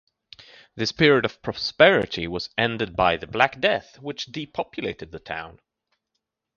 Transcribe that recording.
This period of prosperity was ended by the Black Death, which depopulated the town.